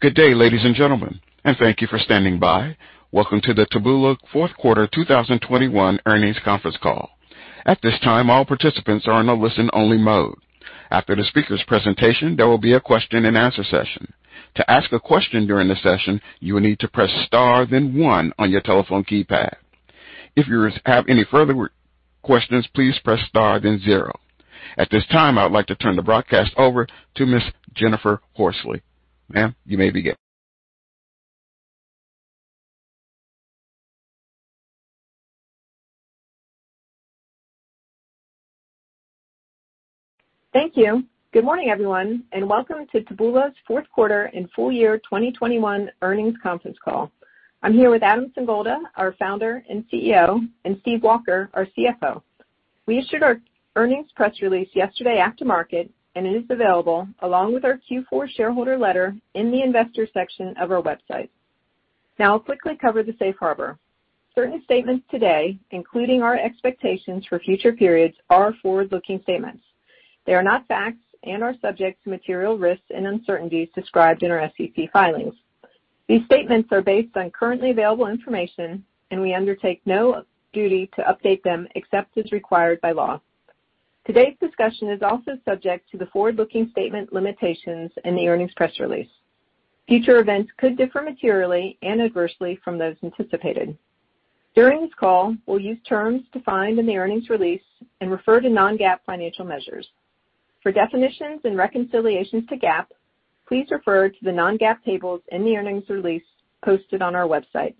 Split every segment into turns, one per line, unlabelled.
Good day, ladies and gentlemen, and thank you for standing by. Welcome to the Taboola fourth quarter 2021 earnings conference call. At this time, all participants are in a listen-only mode. After the speaker's presentation, there will be a question-and-answer session. To ask a question during the session, you will need to press star then one on your telephone keypad. If you have any further questions, please press star then zero. At this time, I would like to turn the broadcast over to Ms. Jennifer Horsley. Ma'am, you may begin.
Thank you. Good morning, everyone, and welcome to Taboola's fourth quarter and full year 2021 earnings conference call. I'm here with Adam Singolda, our Founder and CEO, and Steve Walker, our CFO. We issued our earnings press release yesterday after market, and it is available along with our Q4 shareholder letter in the Investor Section of our website. Now, I'll quickly cover the Safe Harbor. Certain statements today, including our expectations for future periods, are forward-looking statements. They are not facts and are subject to material risks and uncertainties described in our SEC filings. These statements are based on currently available information, and we undertake no duty to update them, except as required by law. Today's discussion is also subject to the forward-looking statement limitations in the earnings press release. Future events could differ materially and adversely from those anticipated. During this call, we'll use terms defined in the earnings release and refer to non-GAAP financial measures. For definitions and reconciliations to GAAP, please refer to the non-GAAP tables in the earnings release posted on our website.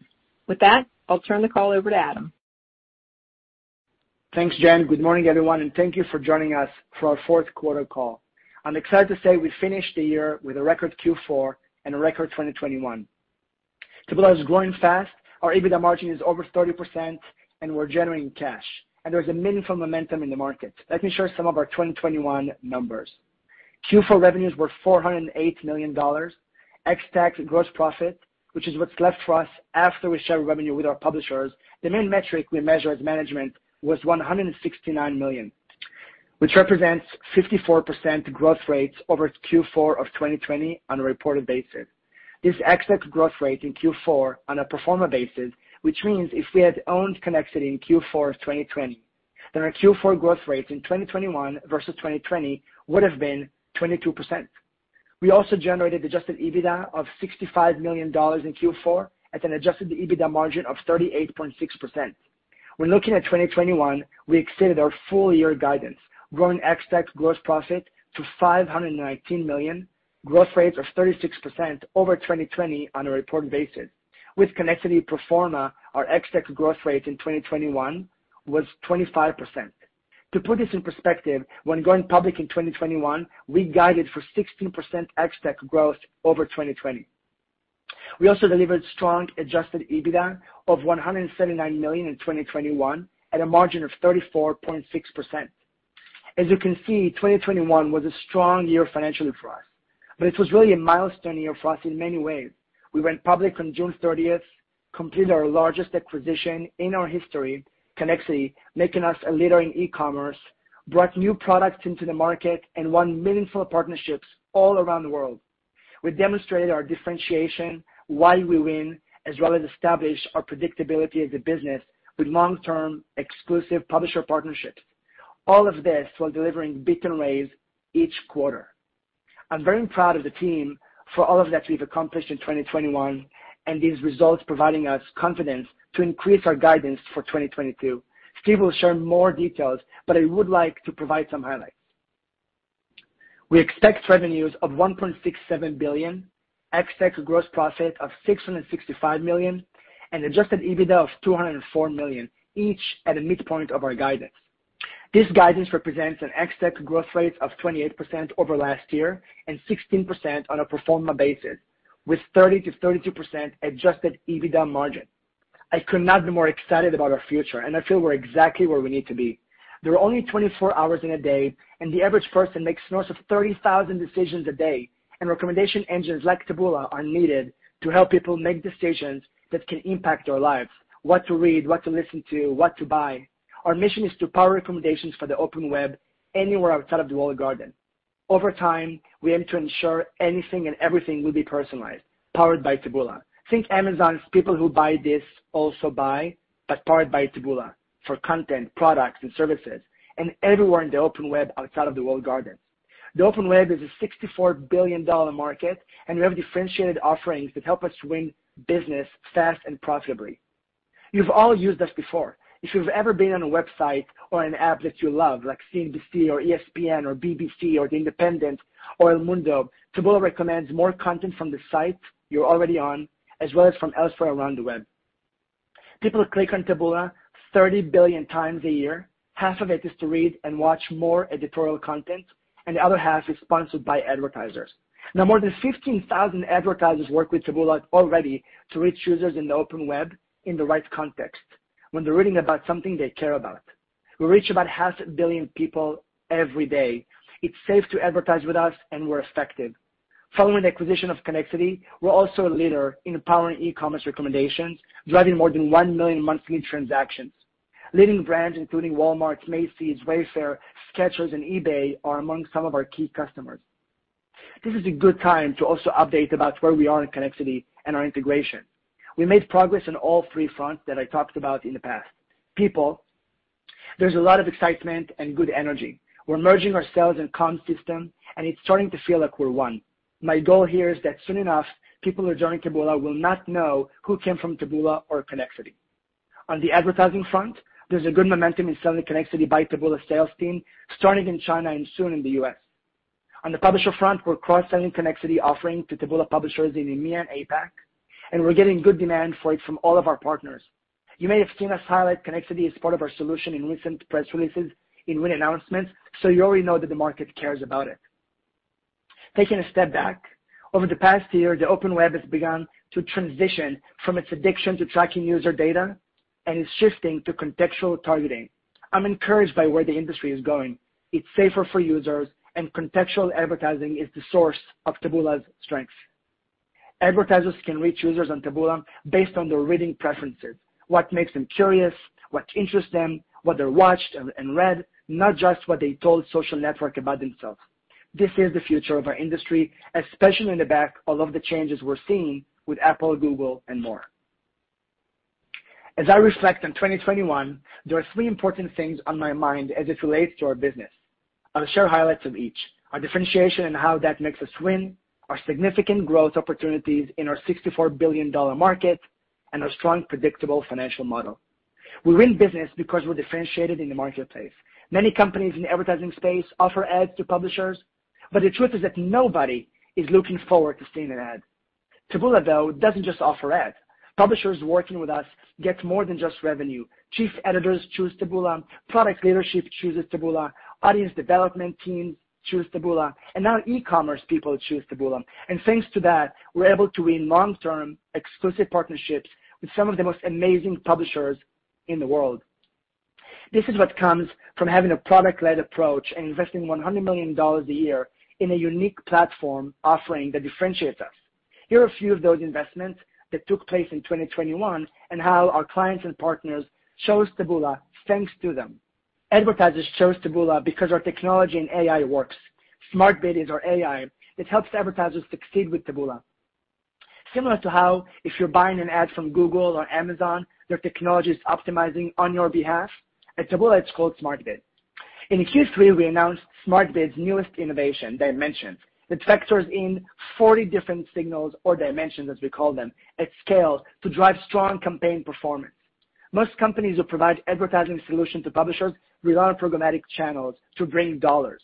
With that, I'll turn the call over to Adam.
Thanks, Jen. Good morning, everyone, and thank you for joining us for our fourth quarter call. I'm excited to say we finished the year with a record Q4 and a record 2021. Taboola is growing fast. Our EBITDA margin is over 30% and we're generating cash. There's a meaningful momentum in the market. Let me share some of our 2021 numbers. Q4 revenues were $408 million, ex-TAC gross profit, which is what's left for us after we share revenue with our publishers. The main metric we measure as management was $169 million, which represents 54% growth rate over Q4 of 2020 on a reported basis. This ex-TAC growth rate in Q4 on a pro forma basis, which means if we had owned Connexity in Q4 of 2020, then our Q4 growth rate in 2021 versus 2020 would have been 22%. We also generated adjusted EBITDA of $65 million in Q4 at an adjusted EBITDA margin of 38.6%. When looking at 2021, we exceeded our full-year guidance, growing ex-TAC gross profit to $519 million, growth rates of 36% over 2020 on a reported basis. With Connexity pro forma, our ex-TAC growth rate in 2021 was 25%. To put this in perspective, when going public in 2021, we guided for 16% ex-TAC growth over 2020. We also delivered strong adjusted EBITDA of $179 million in 2021 at a margin of 34.6%. As you can see, 2021 was a strong year financially for us, but it was really a milestone year for us in many ways. We went public on June 30, completed our largest acquisition in our history - Connexity - making us a leader in e-commerce, brought new products into the market, and won meaningful partnerships all around the world. We demonstrated our differentiation, why we win, as well as established our predictability as a business with long-term exclusive publisher partnerships. All of this while delivering beat and raise each quarter. I'm very proud of the team for all of that we've accomplished in 2021 and these results providing us confidence to increase our guidance for 2022. Steve will share more details, but I would like to provide some highlights. We expect revenues of $1.67 billion, ex-TAC gross profit of $665 million, and adjusted EBITDA of $204 million, each at a midpoint of our guidance. This guidance represents an ex-TAC growth rate of 28% over last year and 16% on a pro forma basis, with 30%-32% adjusted EBITDA margin. I could not be more excited about our future, and I feel we're exactly where we need to be. There are only 24 hours in a day, and the average person makes north of 30,000 decisions a day. Recommendation engines, like Taboola, are needed to help people make decisions that can impact their lives. What to read, what to listen to, what to buy. Our mission is to power recommendations for the open web anywhere outside of the walled garden. Over time, we aim to ensure anything and everything will be personalized, powered by Taboola. Think Amazon's people who buy this also buy, but powered by Taboola for content, products and services, and everywhere in the open web outside of the walled garden. The open web is a $64 billion market, and we have differentiated offerings that help us win business fast and profitably. You've all used us before. If you've ever been on a website or an app that you love, like CNBC or ESPN or BBC or The Independent or El Mundo, Taboola recommends more content from the site you're already on, as well as from elsewhere around the web. People click on Taboola 30 billion times a year. Half of it is to read and watch more editorial content, and the other half is sponsored by advertisers. Now, more than 15,000 advertisers work with Taboola already to reach users in the open web in the right context when they're reading about something they care about. We reach about 500 million people every day. It's safe to advertise with us, and we're effective. Following the acquisition of Connexity, we're also a leader in powering e-commerce recommendations, driving more than 1 million monthly transactions. Leading brands, including Walmart, Macy's, Wayfair, Skechers, and eBay, are among some of our key customers. This is a good time to also update about where we are in Connexity and our integration. We made progress on all three fronts that I talked about in the past. People, there's a lot of excitement and good energy. We're merging our sales and comm system, and it's starting to feel like we're one. My goal here is that soon enough, people who are joining Taboola will not know who came from Taboola or Connexity. On the advertising front, there's a good momentum in selling Connexity by Taboola sales team, starting in China and soon in the U.S. On the publisher front, we're cross-selling Connexity offering to Taboola publishers in EMEA and APAC, and we're getting good demand for it from all of our partners. You may have seen us highlight Connexity as part of our solution in recent press releases in win announcements, so you already know that the market cares about it. Taking a step back, over the past year, the open web has begun to transition from its addiction to tracking user data, and it's shifting to contextual targeting. I'm encouraged by where the industry is going. It's safer for users, and contextual advertising is the source of Taboola's strength. Advertisers can reach users on Taboola based on their reading preferences, what makes them curious, what interests them, what they watched and read, not just what they told social network about themselves. This is the future of our industry, especially in the backdrop of all the changes we're seeing with Apple, Google, and more. As I reflect on 2021, there are three important things on my mind as it relates to our business. I'll share highlights of each. Our differentiation and how that makes us win, our significant growth opportunities in our $64 billion market, and our strong, predictable financial model. We win business because we're differentiated in the marketplace. Many companies in the advertising space offer ads to publishers, but the truth is that nobody is looking forward to seeing an ad. Taboola, though, doesn't just offer ads. Publishers working with us gets more than just revenue. Chief editors choose Taboola, product leadership chooses Taboola, audience development teams choose Taboola, and now e-commerce people choose Taboola. Thanks to that, we're able to win long-term exclusive partnerships with some of the most amazing publishers in the world. This is what comes from having a product-led approach and investing $100 million a year in a unique platform offering that differentiates us. Here are a few of those investments that took place in 2021, and how our clients and partners chose Taboola thanks to them. Advertisers chose Taboola because our technology and AI works. Smart Bid is our AI that helps advertisers succeed with Taboola. Similar to how, if you're buying an ad from Google or Amazon, their technology is optimizing on your behalf. At Taboola, it's called Smart Bid. In Q3, we announced Smart Bid's newest innovation, Dimensions. It factors in 40 different signals or dimensions, as we call them, at scale to drive strong campaign performance. Most companies who provide advertising solution to publishers rely on programmatic channels to bring dollars,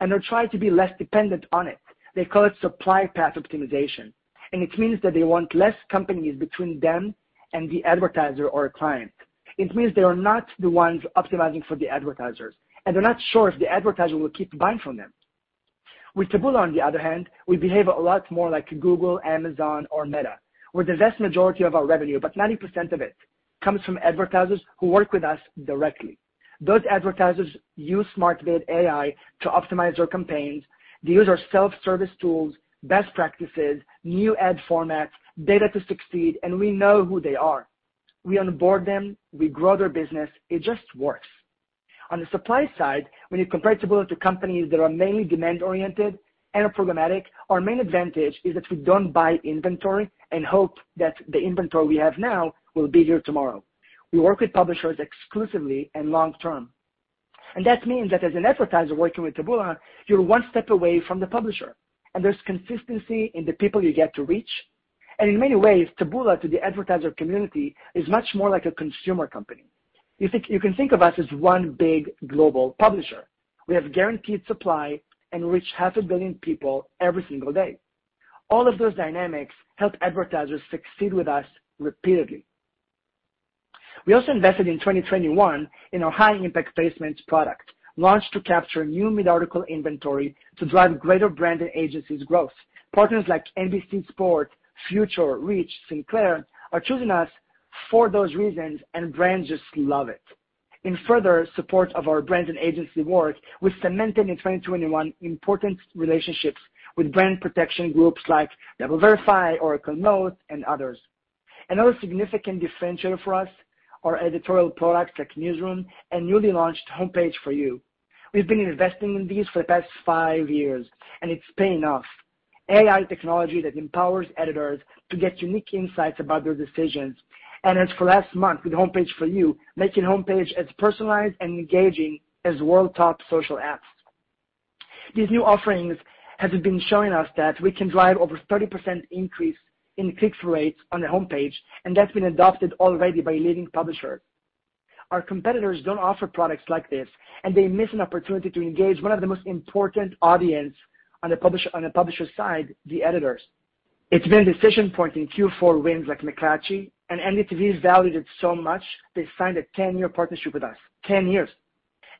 and they try to be less dependent on it. They call it Supply Path Optimization, and it means that they want less companies between them and the advertiser or a client. It means they are not the ones optimizing for the advertisers, and they're not sure if the advertiser will keep buying from them. With Taboola, on the other hand, we behave a lot more like Google, Amazon, or Meta, where the vast majority of our revenue, about 90% of it, comes from advertisers who work with us directly. Those advertisers use Smart Bid AI to optimize their campaigns. They use our self-service tools, best practices, new ad formats, data to succeed, and we know who they are. We onboard them, we grow their business. It just works. On the supply side, when you compare Taboola to companies that are mainly demand-oriented and are programmatic, our main advantage is that we don't buy inventory and hope that the inventory we have now will be here tomorrow. We work with publishers exclusively and long-term. That means that as an advertiser working with Taboola, you're one step away from the publisher, and there's consistency in the people you get to reach. In many ways, Taboola, to the advertiser community, is much more like a consumer company. You can think of us as one big global publisher. We have guaranteed supply and reach half a billion people every single day. All of those dynamics help advertisers succeed with us repeatedly. We also invested in 2021 in our High Impact placements product, launched to capture new mid-article inventory to drive greater brand and agency growth. Partners like NBC Sports, Future, Reach, Sinclair are choosing us for those reasons, and brands just love it. In further support of our brand and agency work, we cemented in 2021 important relationships with brand protection groups like DoubleVerify, Oracle Moat, and others. Another significant differentiator for us are editorial products like Newsroom and newly launched Homepage For You. We've been investing in these for the past five years, and it's paying off. AI technology that empowers editors to get unique insights about their decisions. As for last month, with Homepage For You, making homepage as personalized and engaging as world's top social apps. These new offerings has been showing us that we can drive over 30% increase in click-through rates on the homepage, and that's been adopted already by a leading publisher. Our competitors don't offer products like this, and they miss an opportunity to engage one of the most important audience on the publisher side, the editors. It's been a decision point in Q4 wins like McClatchy, and NDTV has valued it so much they signed a 10-year partnership with us. Ten years.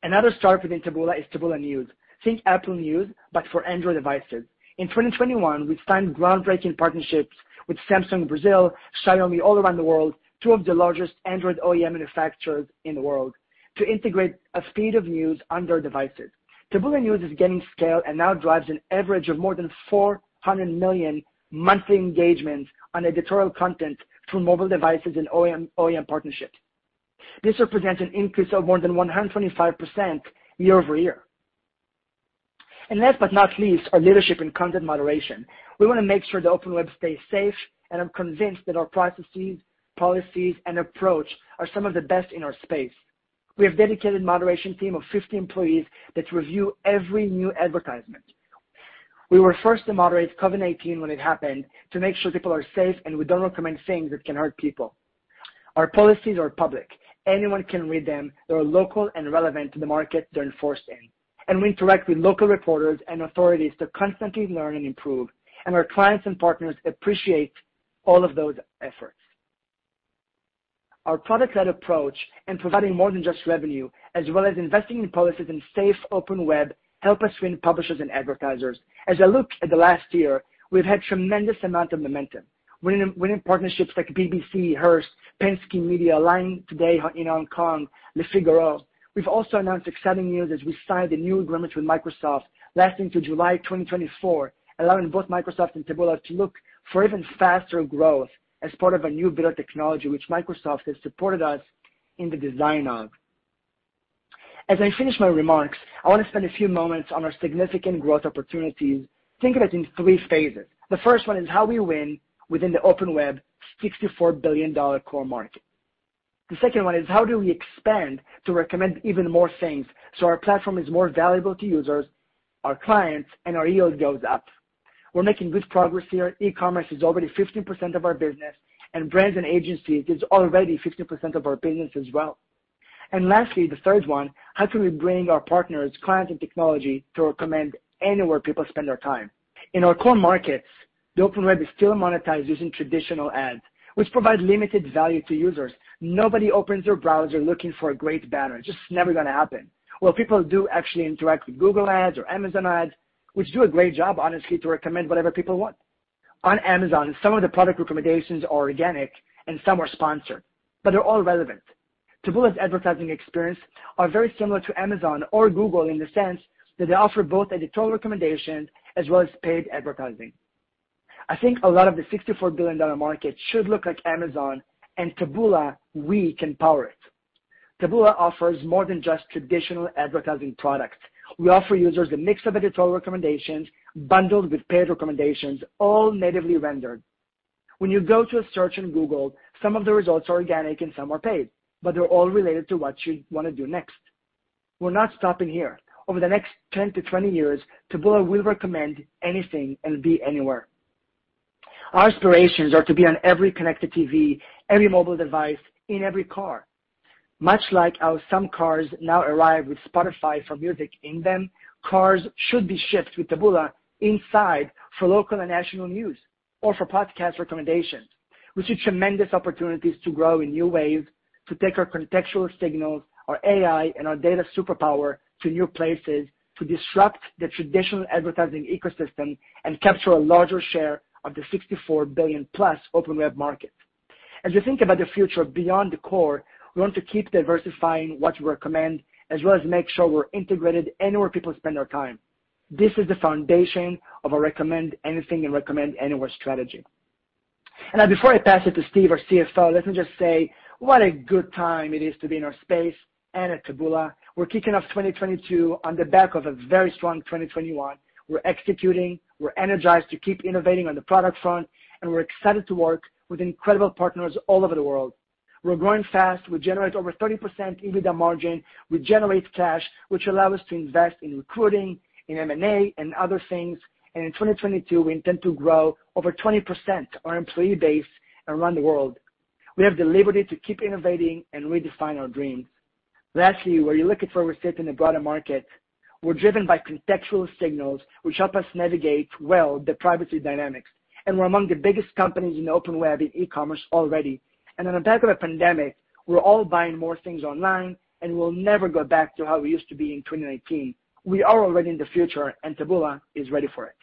Another star product in Taboola is Taboola News. Think Apple News, but for Android devices. In 2021, we've signed groundbreaking partnerships with Samsung Brazil, Xiaomi all around the world - two of the largest Android OEM manufacturers in the world - to integrate a feed of news on their devices. Taboola News is gaining scale and now drives an average of more than 400 million monthly engagements on editorial content through mobile devices and OEM partnership. This represents an increase of more than 125% year-over-year. Last but not least, our leadership in content moderation. We wanna make sure the open web stays safe, and I'm convinced that our processes, policies, and approach are some of the best in our space. We have dedicated moderation team of 50 employees that review every new advertisement. We were first to moderate COVID-19 when it happened to make sure people are safe, and we don't recommend things that can hurt people. Our policies are public. Anyone can read them. They are local and relevant to the market they're enforced in. And, we interact with local reporters and authorities to constantly learn and improve, and our clients and partners appreciate all of those efforts. Our product-led approach in providing more than just revenue, as well as investing in policies in safe open web, help us win publishers and advertisers. As I look at the last year, we've had tremendous amount of momentum - winning partnerships like BBC, Hearst, Penske Media, LINE TODAY in Hong Kong, Le Figaro. We've also announced exciting news as we signed a new agreement with Microsoft lasting to July 2024, allowing both Microsoft and Taboola to look for even faster growth as part of a new bit of technology which Microsoft has supported us in the design of. As I finish my remarks, I wanna spend a few moments on our significant growth opportunities. Think of it in three phases. The first one is how we win within the open web $64 billion core market. The second one is how do we expand to recommend even more things so our platform is more valuable to users, our clients, and our yield goes up. We're making good progress here. E-commerce is already 15% of our business, and brands and agencies is already 15% of our business as well. Lastly, the third one, how can we bring our partners, clients, and technology to recommend anywhere people spend their time? In our core markets, the open web is still monetized using traditional ads, which provide limited value to users. Nobody opens their browser looking for a great banner. Just never gonna happen. Well, people do actually interact with Google ads or Amazon ads, which do a great job, honestly, to recommend whatever people want. On Amazon, some of the product recommendations are organic and some are sponsored, but they're all relevant. Taboola's advertising experience are very similar to Amazon or Google in the sense that they offer both editorial recommendation as well as paid advertising. I think a lot of the $64 billion market should look like Amazon, and Taboola, we can power it. Taboola offers more than just traditional advertising products. We offer users a mix of editorial recommendations bundled with paid recommendations, all natively rendered. When you go to a search in Google, some of the results are organic and some are paid, but they're all related to what you wanna do next. We're not stopping here. Over the next 10-20 years, Taboola will recommend anything and be anywhere. Our aspirations are to be on every connected TV, every mobile device, in every car. Much like how some cars now arrive with Spotify for music in them, cars should be shipped with Taboola inside for local and national news or for podcast recommendations. We see tremendous opportunities to grow in new ways, to take our contextual signals, our AI, and our data superpower to new places to disrupt the traditional advertising ecosystem and capture a larger share of the $64+ billion open web market. As you think about the future beyond the core, we want to keep diversifying what we recommend, as well as make sure we're integrated anywhere people spend their time. This is the foundation of our recommend anything and recommend anywhere strategy. Now, before I pass it to Steve, our CFO, let me just say what a good time it is to be in our space and at Taboola. We're kicking off 2022 on the back of a very strong 2021. We're executing, we're energized to keep innovating on the product front, and we're excited to work with incredible partners all over the world. We're growing fast. We generate over 30% EBITDA margin. We generate cash, which allow us to invest in recruiting, in M&A, and other things. In 2022, we intend to grow over 20% our employee base around the world. We have the liberty to keep innovating and redefine our dreams. Lastly, where you're looking for a respite in the broader market, we're driven by contextual signals which help us navigate well the privacy dynamics. We're among the biggest companies in open web in e-commerce already. On the back of a pandemic, we're all buying more things online, and we'll never go back to how we used to be in 2019. We are already in the future, and Taboola is ready for it.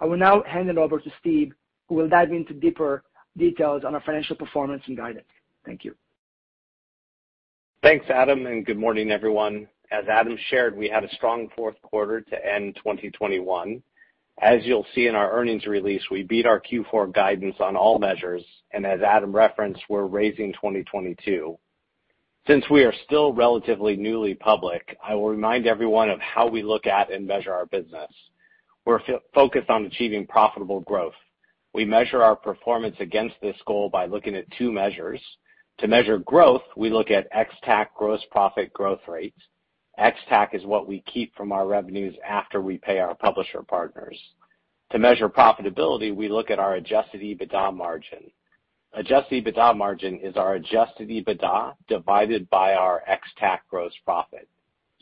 I will now hand it over to Steve, who will dive into deeper details on our financial performance and guidance. Thank you.
Thanks, Adam, and good morning, everyone. As Adam shared, we had a strong fourth quarter to end 2021. As you'll see in our earnings release, we beat our Q4 guidance on all measures, and as Adam referenced, we're raising 2022. Since we are still relatively newly public, I will remind everyone of how we look at and measure our business. We're focused on achieving profitable growth. We measure our performance against this goal by looking at two measures. To measure growth, we look at ex-TAC gross profit growth rate. Ex-TAC is what we keep from our revenues after we pay our publisher partners. To measure profitability, we look at our adjusted EBITDA margin. Adjusted EBITDA margin is our adjusted EBITDA divided by our ex-TAC gross profit.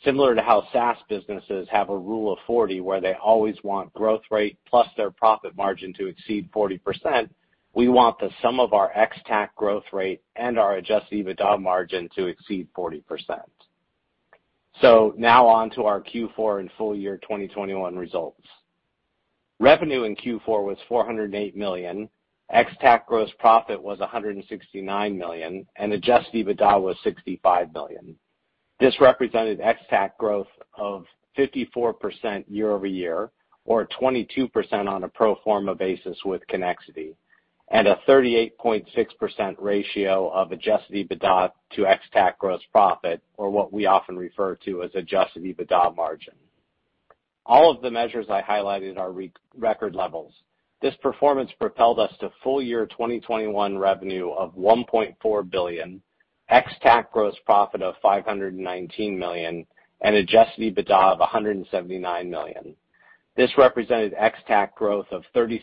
Similar to how SaaS businesses have a Rule of 40, where they always want growth rate plus their profit margin to exceed 40%, we want the sum of our ex-TAC growth rate and our adjusted EBITDA margin to exceed 40%. Now, on to our Q4 and full year 2021 results. Revenue in Q4 was $408 million, ex-TAC gross profit was $169 million, and adjusted EBITDA was $65 million. This represented ex-TAC growth of 54% year-over-year, or 22% on a pro forma basis with Connexity, and a 38.6% ratio of adjusted EBITDA to ex-TAC gross profit, or what we often refer to as adjusted EBITDA margin. All of the measures I highlighted are record levels. This performance propelled us to full year 2021 revenue of $1.4 billion, ex-TAC gross profit of $519 million, and adjusted EBITDA of $179 million. This represented ex-TAC growth of 36%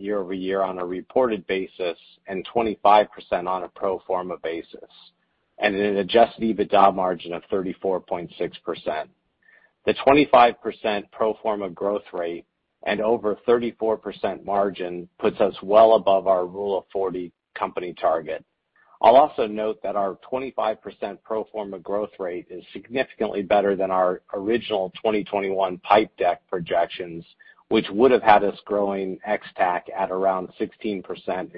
year-over-year on a reported basis and 25% on a pro forma basis, and an adjusted EBITDA margin of 34.6%. The 25% pro forma growth rate and over 34% margin puts us well above our Rule of 40 company target. I'll also note that our 25% pro forma growth rate is significantly better than our original 2021 PIPE deck projections, which would have had us growing ex-TAC at around 16% in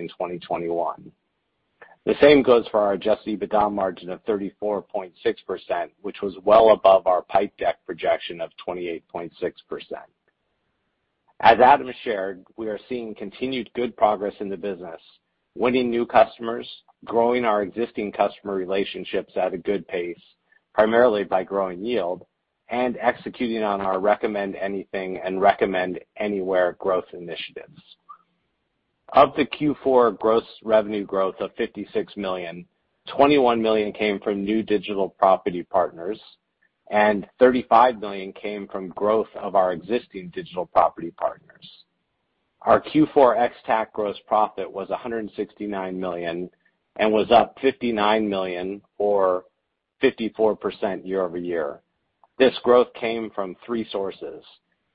2021. The same goes for our adjusted EBITDA margin of 34.6%, which was well above our PIPE deck projection of 28.6%. As Adam shared, we are seeing continued good progress in the business, winning new customers, growing our existing customer relationships at a good pace, primarily by growing yield, and executing on our recommend anything and recommend anywhere growth initiatives. Of the Q4 gross revenue growth of $56 million, $21 million came from new digital property partners, and $35 million came from growth of our existing digital property partners. Our Q4 ex-TAC gross profit was $169 million and was up $59 million, or 54% year-over-year. This growth came from three sources,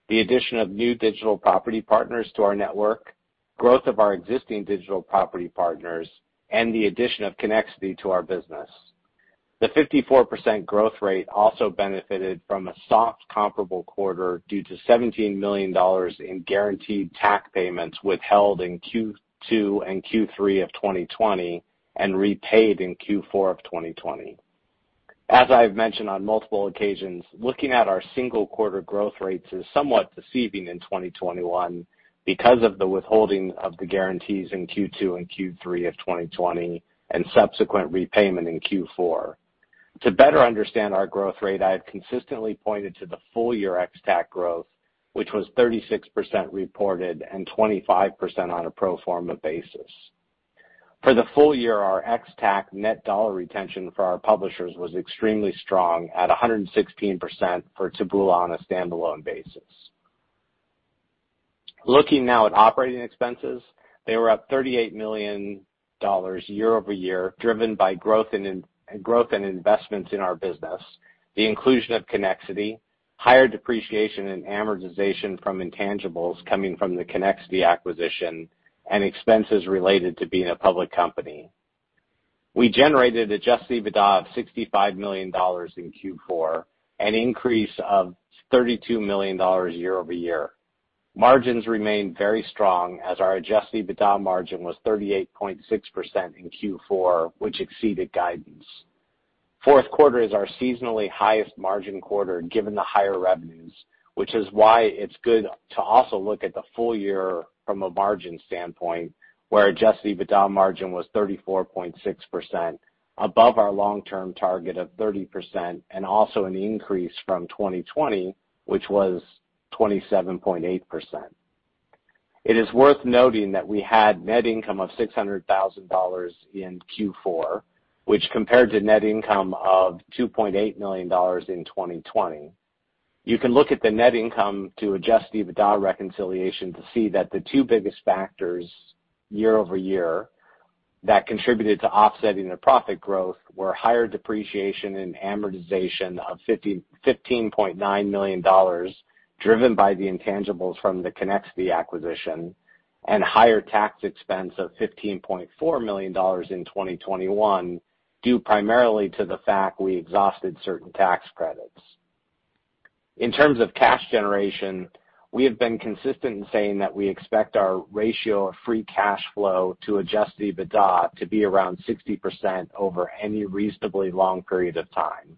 the addition of new digital property partners to our network, growth of our existing digital property partners, and the addition of Connexity to our business. The 54% growth rate also benefited from a soft comparable quarter due to $17 million in guaranteed TAC payments withheld in Q2 and Q3 of 2020 and repaid in Q4 of 2020. I've mentioned on multiple occasions, looking at our single quarter growth rates is somewhat deceiving in 2021 because of the withholding of the guarantees in Q2 and Q3 of 2020 and subsequent repayment in Q4. To better understand our growth rate, I have consistently pointed to the full year ex-TAC growth, which was 36% reported and 25% on a pro forma basis. For the full year, our ex-TAC net dollar retention for our publishers was extremely strong at 116% for Taboola on a standalone basis. Looking now at operating expenses, they were up $38 million year-over-year, driven by growth and investments in our business, the inclusion of Connexity, higher depreciation and amortization from intangibles coming from the Connexity acquisition, and expenses related to being a public company. We generated adjusted EBITDA of $65 million in Q4, an increase of $32 million year-over-year. Margins remained very strong as our adjusted EBITDA margin was 38.6% in Q4, which exceeded guidance. Fourth quarter is our seasonally highest margin quarter given the higher revenues, which is why it's good to also look at the full year from a margin standpoint, where adjusted EBITDA margin was 34.6%, above our long-term target of 30%, and also an increase from 2020, which was 27.8%. It is worth noting that we had net income of $600,000 in Q4, which compared to net income of $2.8 million in 2020. You can look at the net income to adjusted EBITDA reconciliation to see that the two biggest factors year-over-year that contributed to offsetting the profit growth were higher depreciation and amortization of $15.9 million, driven by the intangibles from the Connexity acquisition, and higher tax expense of $15.4 million in 2021, due primarily to the fact we exhausted certain tax credits. In terms of cash generation, we have been consistent in saying that we expect our ratio of free cash flow to adjusted EBITDA to be around 60% over any reasonably long period of time.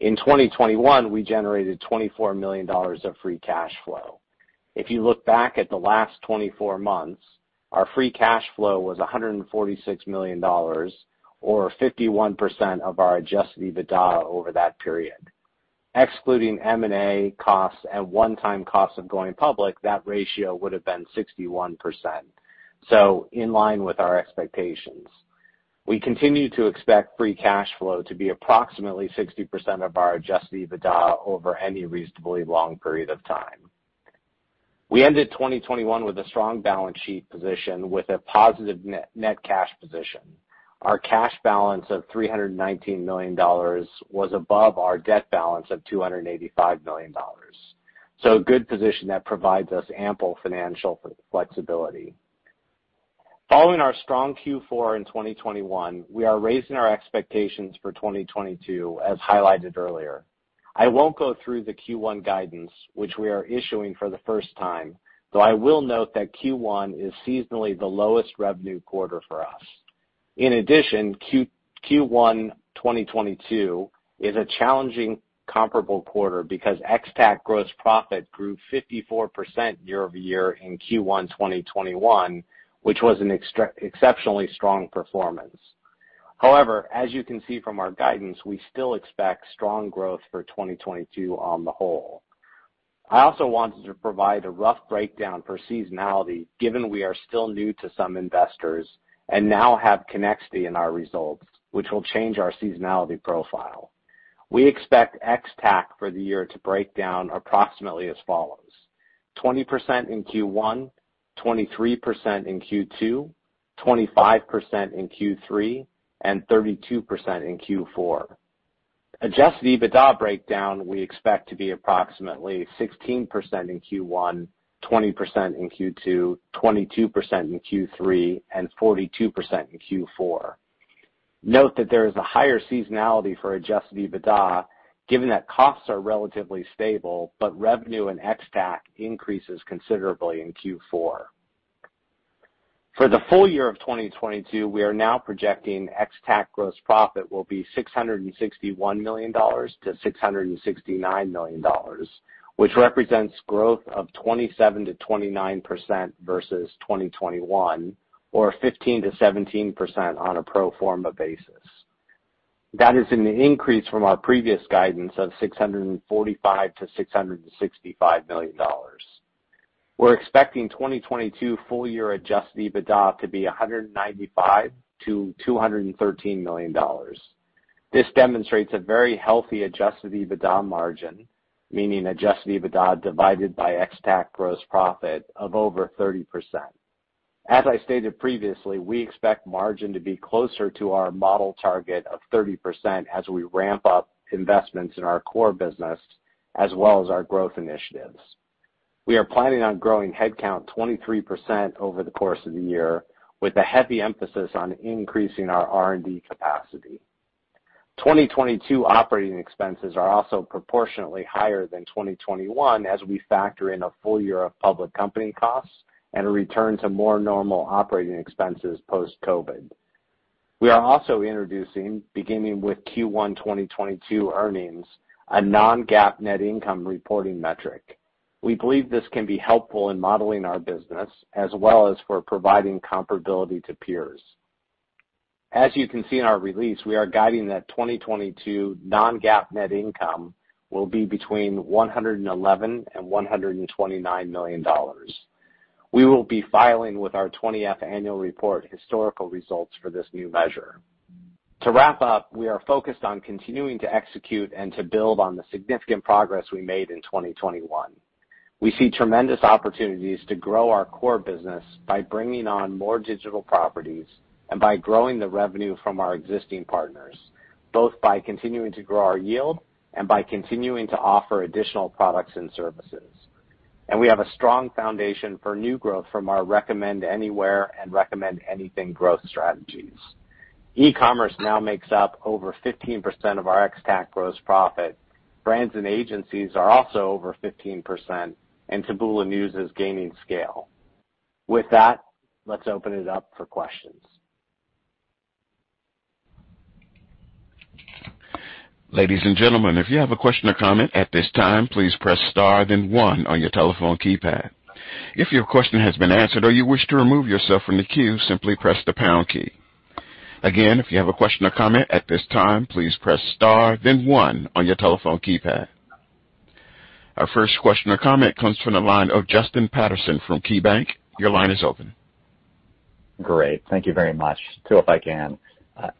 In 2021, we generated $24 million of free cash flow. If you look back at the last 24 months, our free cash flow was $146 million or 51% of our adjusted EBITDA over that period. Excluding M&A costs and one-time costs of going public, that ratio would have been 61%, in line with our expectations. We continue to expect free cash flow to be approximately 60% of our adjusted EBITDA over any reasonably long period of time. We ended 2021 with a strong balance sheet position, with a positive net-net cash position. Our cash balance of $319 million was above our debt balance of $285 million. A good position that provides us ample financial flexibility. Following our strong Q4 in 2021, we are raising our expectations for 2022, as highlighted earlier. I won't go through the Q1 guidance, which we are issuing for the first time, though I will note that Q1 is seasonally the lowest revenue quarter for us. In addition, Q1 2022 is a challenging comparable quarter because ex-TAC gross profit grew 54% year-over-year in Q1 2021, which was an exceptionally strong performance. However, as you can see from our guidance, we still expect strong growth for 2022 on the whole. I also wanted to provide a rough breakdown for seasonality, given we are still new to some investors and now have Connexity in our results, which will change our seasonality profile. We expect ex-TAC for the year to break down approximately as follows: 20% in Q1, 23% in Q2, 25% in Q3, and 32% in Q4. Adjusted EBITDA breakdown, we expect to be approximately 16% in Q1, 20% in Q2, 22% in Q3, and 42% in Q4. Note that there is a higher seasonality for adjusted EBITDA given that costs are relatively stable, but revenue and ex-TAC increases considerably in Q4. For the full year of 2022, we are now projecting ex-TAC gross profit will be $661 million-$669 million, which represents growth of 27%-29% versus 2021, or 15%-17% on a pro forma basis. That is an increase from our previous guidance of $645 million-$665 million. We're expecting 2022 full year adjusted EBITDA to be $195 million-$213 million. This demonstrates a very healthy adjusted EBITDA margin, meaning adjusted EBITDA divided by ex-TAC gross profit of over 30%. As I stated previously, we expect margin to be closer to our model target of 30% as we ramp up investments in our core business as well as our growth initiatives. We are planning on growing head count 23% over the course of the year, with a heavy emphasis on increasing our R&D capacity. 2022 operating expenses are also proportionately higher than 2021 as we factor in a full year of public company costs and a return to more normal operating expenses post-COVID-19. We are also introducing, beginning with Q1 2022 earnings, a non-GAAP net income reporting metric. We believe this can be helpful in modeling our business as well as for providing comparability to peers. As you can see in our release, we are guiding that 2022 non-GAAP net income will be between $111 million and $129 million. We will be filing with our 20-F annual report historical results for this new measure. To wrap up, we are focused on continuing to execute and to build on the significant progress we made in 2021. We see tremendous opportunities to grow our core business by bringing on more digital properties and by growing the revenue from our existing partners, both by continuing to grow our yield and by continuing to offer additional products and services. We have a strong foundation for new growth from our recommend anywhere and recommend anything growth strategies. E-commerce now makes up over 15% of our ex-TAC gross profit. Brands and agencies are also over 15%, and Taboola News is gaining scale. With that, let's open it up for questions.
Ladies and gentlemen, if you have a question or comment at this time, please press star then one on your telephone keypad. If you question has been answered or you wish to remove yourself from the queue, simply press the pound key. Again, if you have a question or comment at this time, please press star then one on your telephone keypad. Our first question or comment comes from the line of Justin Patterson from KeyBanc. Your line is open.
Great. Thank you very much. Two, if I can.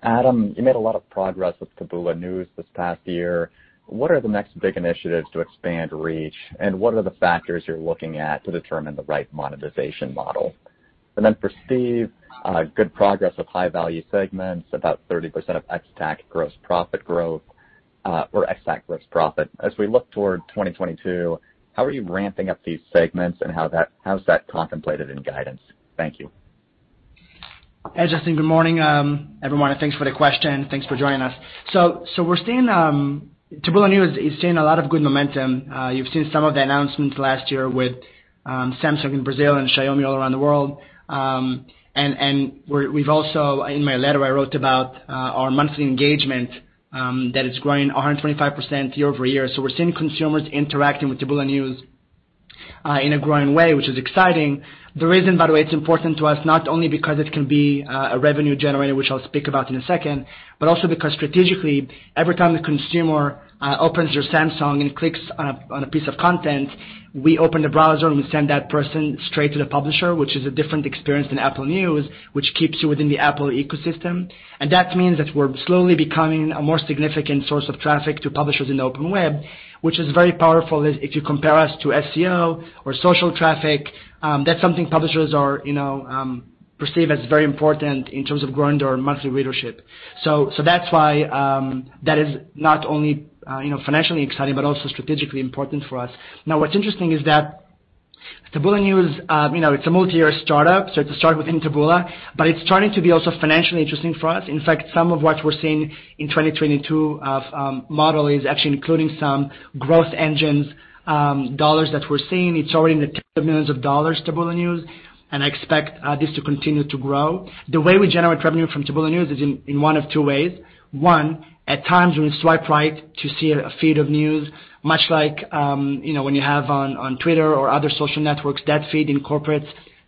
Adam, you made a lot of progress with Taboola News this past year. What are the next big initiatives to expand reach, and what are the factors you're looking at to determine the right monetization model? For Steve, good progress with high value segments, about 30% of ex-TAC gross profit growth, or ex-TAC gross profit. As we look toward 2022, how are you ramping up these segments, and how's that contemplated in guidance? Thank you.
Hey, Justin, good morning. Everyone, thanks for the question. Thanks for joining us. We're seeing Taboola News is seeing a lot of good momentum. You've seen some of the announcements last year with Samsung in Brazil and Xiaomi all around the world. We've also--in my letter, I wrote about our monthly engagement, that it's growing 125% year-over-year. We're seeing consumers interacting with Taboola News in a growing way, which is exciting. The reason--by the way, it's important to us, not only because it can be a revenue generator, which I'll speak about in a second, but also because strategically, every time the consumer opens their Samsung and clicks on a piece of content, we open the browser, and we send that person straight to the publisher, which is a different experience than Apple News, which keeps you within the Apple ecosystem. That means that we're slowly becoming a more significant source of traffic to publishers in the open web, which is very powerful if you compare us to SEO or social traffic. That's something publishers are, you know, perceive as very important in terms of growing their monthly readership. That's why that is not only, you know, financially exciting, but also strategically important for us. Now, what's interesting is that Taboola News, you know, it's a multi-year startup, so it started within Taboola, but it's starting to be also financially interesting for us. In fact, some of what we're seeing in 2022 of our model is actually including some growth engines, dollars that we're seeing. It's already in the tens of millions of dollars, Taboola News, and I expect this to continue to grow. The way we generate revenue from Taboola News is in one of two ways. One, at times when you swipe right to see a feed of news, much like, you know, when you have on Twitter or other social networks, that feed incorporates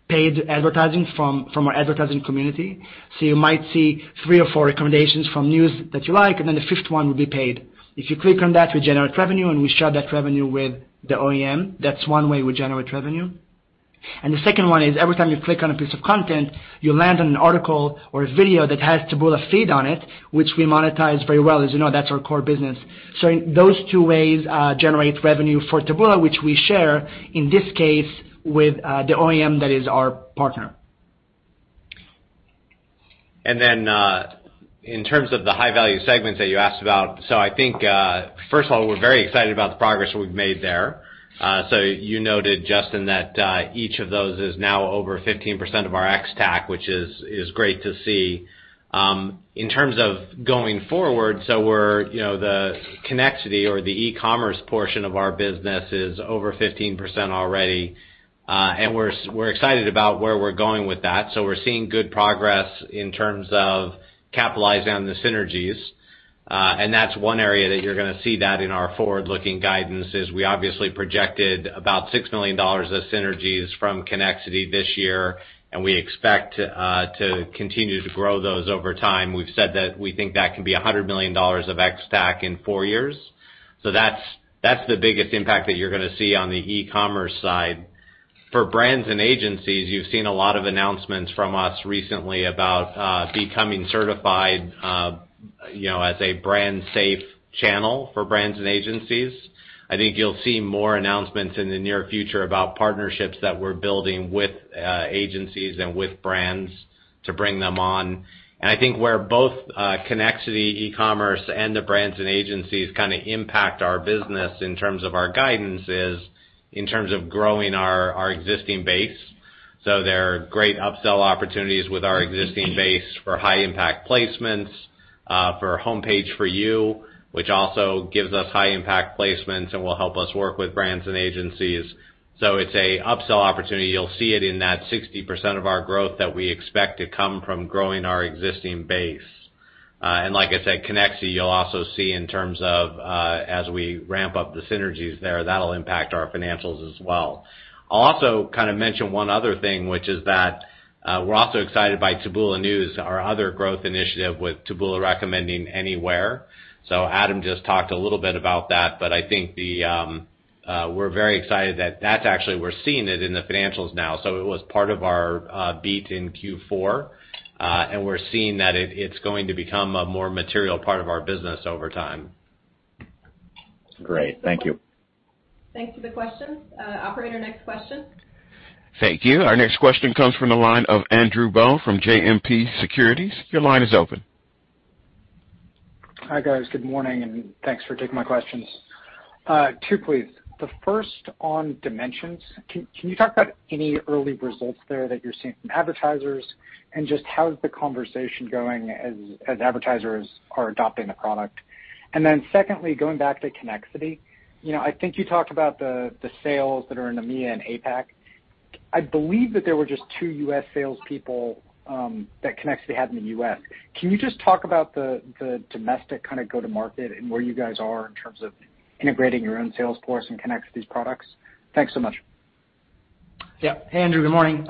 paid advertising from our advertising community. You might see three or four recommendations from news that you like, and then the fifth one will be paid. If you click on that, we generate revenue, and we share that revenue with the OEM. That's one way we generate revenue. The second one is, every time you click on a piece of content, you land on an article or a video that has Taboola feed on it, which we monetize very well. As you know, that's our core business. So, those two way generate revenue for Taboola, which we share, in this case, with the OEM that is our partner.
In terms of the high-value segments that you asked about. I think, first of all, we're very excited about the progress we've made there. You noted, Justin, that each of those is now over 15% of our ex-TAC, which is great to see. In terms of going forward, we're, you know, the Connexity or the e-commerce portion of our business is over 15% already. We're excited about where we're going with that. We're seeing good progress in terms of capitalizing on the synergies. That's one area, that you're gonna see that in our forward-looking guidance. We obviously projected about $6 million of synergies from Connexity this year, and we expect to continue to grow those over time. We've said that we think that can be $100 million of ex-TAC in four years. That's the biggest impact that you're gonna see on the e-commerce side. For brands and agencies, you've seen a lot of announcements from us recently about becoming certified, you know, as a brand safe channel for brands and agencies. I think you'll see more announcements in the near future about partnerships that we're building with agencies and with brands to bring them on. I think where both Connexity e-commerce and the brands and agencies kinda impact our business in terms of our guidance is in terms of growing our existing base. There are great upsell opportunities with our existing base for High Impact placements, for Homepage For You, which also gives us High Impact placements, and will help us work with brands and agencies. It's an upsell opportunity. You'll see it in that 60% of our growth that we expect to come from growing our existing base. Like I said, Connexity, you'll also see in terms of, as we ramp up the synergies there, that'll impact our financials as well. I'll also kind of mention one other thing, which is that, we're also excited by Taboola News, our other growth initiative with Taboola Recommending Anywhere. Adam just talked a little bit about that, but I think we're very excited that that's actually, we're seeing it in the financials now. It was part of our beat in Q4, and we're seeing that it's going to become a more material part of our business over time.
Great. Thank you.
Thanks for the questions. Operator, next question.
Thank you. Our next question comes from the line of Andrew Boone from JMP Securities. Your line is open.
Hi, guys. Good morning, and thanks for taking my questions. Two, please. The first on Dimensions. Can you talk about any early results there that you're seeing from advertisers? And, just how is the conversation going as advertisers are adopting the product? And then, secondly, going back to Connexity. You know, I think you talked about the sales that are in EMEA and APAC. I believe that there were just two U.S. salespeople that Connexity had in the U.S. Can you just talk about the domestic kinda go-to-market and where you guys are in terms of integrating your own sales force in Connexity's products? Thanks so much.
Yeah. Hey, Andrew. Good morning.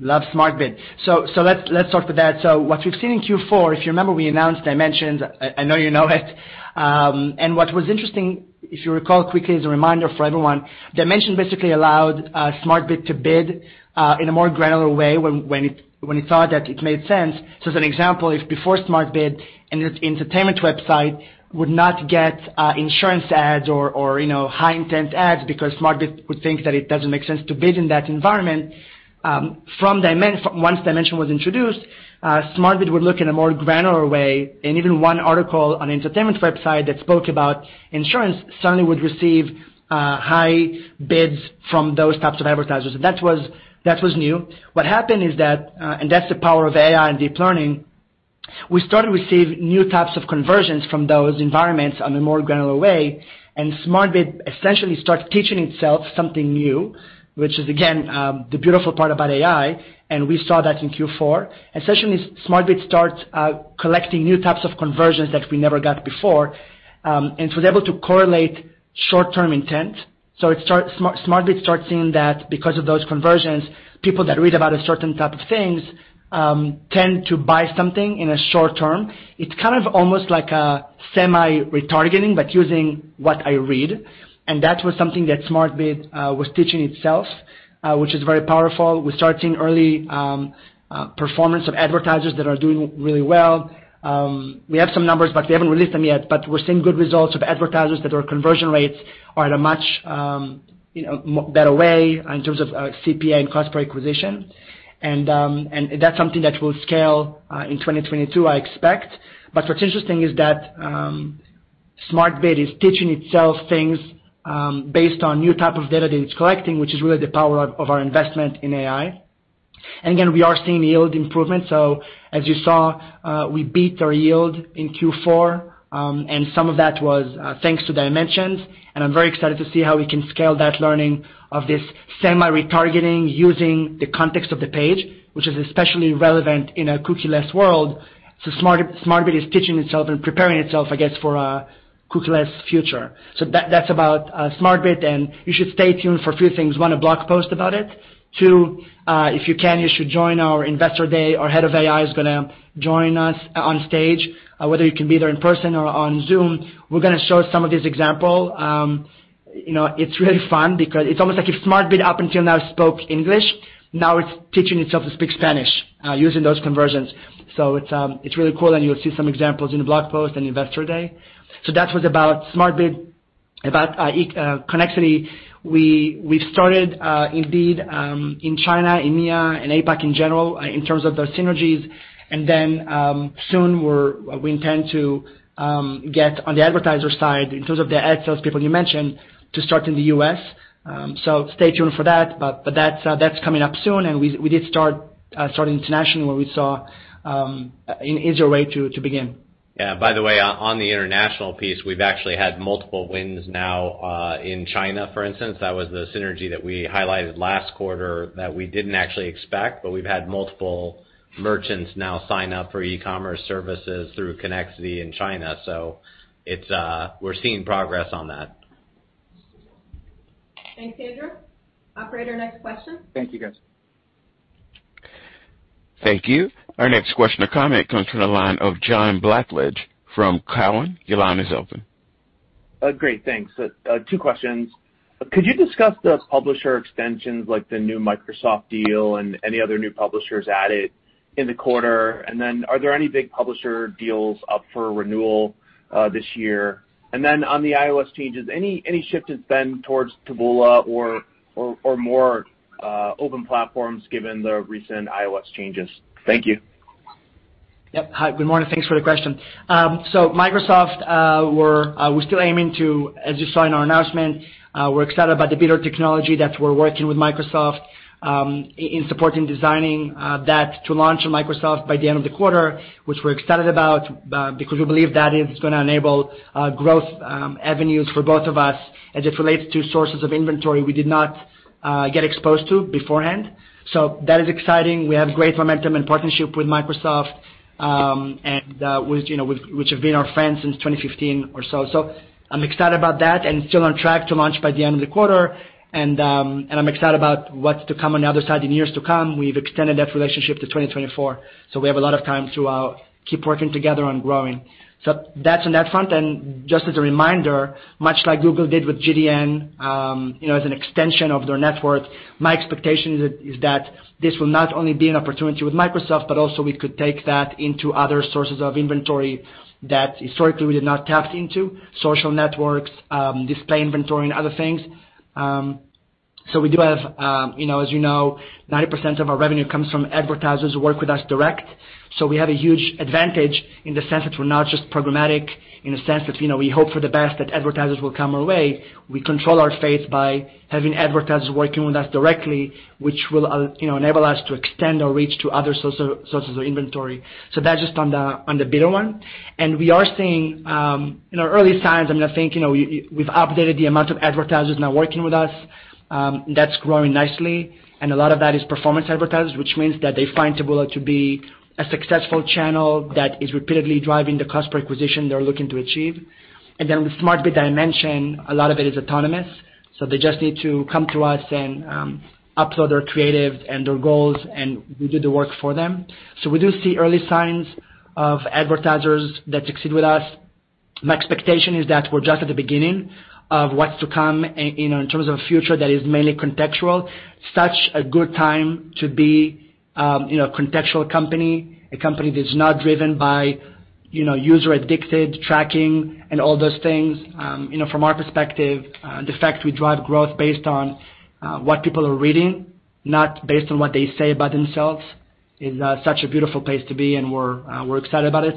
Love Smart Bid. Let's talk to that. What we've seen in Q4, if you remember, we announced Dimensions. I know you know it. What was interesting, if you recall quickly as a reminder for everyone, Dimensions basically allowed Smart Bid to bid in a more granular way when it thought that it made sense. As an example, if before Smart Bid, an entertainment website would not get insurance ads or you know, high intent ads because Smart Bid would think that it doesn't make sense to bid in that environment. Once Dimensions was introduced, Smart Bid would look in a more granular way. Even one article on entertainment website that spoke about insurance suddenly would receive high bids from those types of advertisers. That was new. What happened is that, and that's the power of AI and deep learning, we started receiving new types of conversions from those environments on a more granular way, and Smart Bid essentially start teaching itself something new, which is again, the beautiful part about AI, and we saw that in Q4. Essentially, Smart Bid starts collecting new types of conversions that we never got before, and it was able to correlate short-term intent. Smart Bid starts seeing that because of those conversions, people that read about a certain type of things tend to buy something in a short term. It's kind of almost like a semi retargeting, but using what I read. That was something that Smart Bid was teaching itself, which is very powerful. We start seeing early performance of advertisers that are doing really well. We have some numbers, but we haven't released them yet. We're seeing good results of advertisers that our conversion rates are at a much, you know, better way in terms of CPA and cost per acquisition. That's something that will scale in 2022, I expect. What's interesting is that Smart Bid is teaching itself things based on new type of data that it's collecting, which is really the power of our investment in AI. Again, we are seeing yield improvement. As you saw, we beat our yield in Q4, and some of that was thanks to Dimensions, and I'm very excited to see how we can scale that learning, of this semi-retargeting using the context of the page, which is especially relevant in a cookie-less world. Smart Bid is teaching itself and preparing itself, I guess, for a cookie-less future. That's about Smart Bid, and you should stay tuned for a few things. One, a blog post about it. Two, if you can, you should join our Investor Day. Our head of AI is gonna join us onstage. Whether you can be there in person or on Zoom, we're gonna show some of this example. You know, it's really fun because it's almost like if Smart Bid up until now spoke English, now it's teaching itself to speak Spanish using those conversions. It's really cool, and you'll see some examples in the blog post and Investor Day. That was about Smart Bid. About Connexity, we've started indeed in China, EMEA and APAC, in general, in terms of those synergies. Soon, we intend to get on the advertiser side in terms of the ad sales people you mentioned to start in the U.S. Stay tuned for that. That's coming up soon, and we did start international where we saw an easier way to begin.
Yeah. By the way, on the international piece, we've actually had multiple wins now in China, for instance. That was the synergy that we highlighted last quarter that we didn't actually expect. We've had multiple merchants now sign up for e-commerce services through Connexity in China. We're seeing progress on that.
Thanks, Andrew. Operator, next question.
Thank you, guys.
Thank you. Our next question or comment comes from the line of John Blackledge from Cowen. Your line is open.
Great. Thanks. Two questions. Could you discuss the publisher extensions, like the new Microsoft deal and any other new publishers added in the quarter? Are there any big publisher deals up for renewal this year? On the iOS changes, any shift has been towards Taboola or more open platforms given the recent iOS changes? Thank you.
Yep. Hi. Good morning. Thanks for the question. Microsoft, we're still aiming to, as you saw in our announcement, we're excited about the bidding technology that we're working with Microsoft, in supporting designing that to launch on Microsoft by the end of the quarter, which we're excited about, because we believe that is gonna enable growth avenues for both of us as it relates to sources of inventory we did not get exposed to beforehand. That is exciting. We have great momentum and partnership with Microsoft, and which, you know, have been our friends since 2015 or so. I'm excited about that, and still on track to launch by the end of the quarter. I'm excited about what's to come on the other side in years to come. We've extended that relationship to 2024. We have a lot of time to keep working together on growing. That's on that front. Just as a reminder, much like Google did with GDN, you know, as an extension of their network, my expectation is that this will not only be an opportunity with Microsoft, but also we could take that into other sources of inventory that historically we did not tap into. Social networks, display inventory and other things. We do have, you know, as you know, 90% of our revenue comes from advertisers who work with us direct. We have a huge advantage in the sense that we're not just programmatic, in the sense that, you know, we hope for the best that advertisers will come our way. We control our fate by having advertisers working with us directly, which will, you know, enable us to extend our reach to other social sources of inventory. That's just on the bidder one. We are seeing in our early signs, I mean, I think, you know, we've updated the amount of advertisers now working with us, that's growing nicely. A lot of that is performance advertisers, which means that they find Taboola to be a successful channel that is repeatedly driving the cost per acquisition they're looking to achieve. Then, with Smart Bid Dimensions, a lot of it is autonomous, so they just need to come to us and upload their creative and their goals, and we do the work for them. We do see early signs of advertisers that succeed with us. My expectation is that we're just at the beginning of what's to come, you know, in terms of a future that is mainly contextual. Such a good time to be, you know, a contextual company, a company that's not driven by, you know, user ID tracking and all those things. From our perspective, the fact we drive growth based on what people are reading, not based on what they say about themselves, is such a beautiful place to be, and we're excited about it.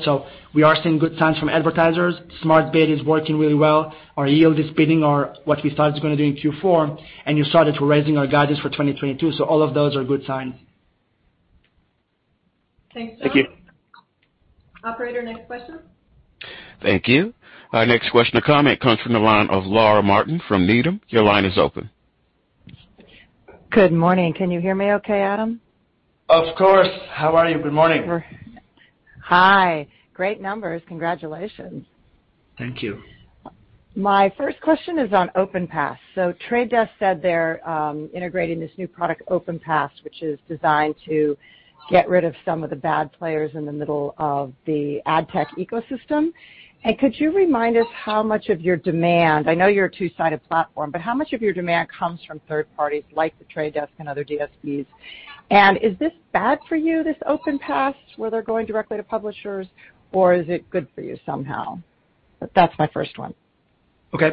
We are seeing good signs from advertisers. Smart Bid is working really well. Our yield is beating what we thought it's gonna do in Q4, and you saw that we're raising our guidance for 2022. All of those are good signs.
Thank you.
Thank you. Operator, next question.
Thank you. Our next question or comment comes from the line of Laura Martin from Needham. Your line is open.
Good morning. Can you hear me okay, Adam?
Of course. How are you? Good morning.
Hi. Great numbers. Congratulations.
Thank you.
My first question is on OpenPass. Trade Desk said they're integrating this new product, OpenPass, which is designed to get rid of some of the bad players in the middle of the ad tech ecosystem. Could you remind us how much of your demand, I know you're a two-sided platform, but how much of your demand comes from third parties like Trade Desk and other DSPs? Is this bad for you, this OpenPass, where they're going directly to publishers, or is it good for you somehow? That's my first one.
Okay,